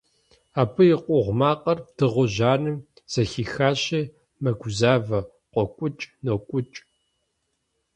Абы и къугъ макъыр дыгъужь анэм зэхихащи, мэгузавэ, къокӀукӀ-нокӀукӀ.